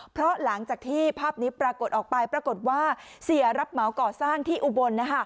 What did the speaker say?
เพราะหลังจากที่ภาพนี้ปรากฏออกไปปรากฏว่าเสียรับเหมาก่อสร้างที่อุบล